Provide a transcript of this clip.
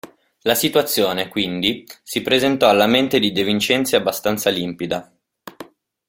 La situazione, quindi, si presentò alla mente di De Vincenzi abbastanza limpida.